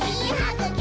ぐき！